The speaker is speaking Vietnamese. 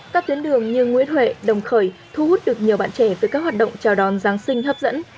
các tuyến đường như nguyễn huệ đồng khởi thu hút được nhiều bạn trẻ từ các hoạt động chào đón giáng sinh hấp dẫn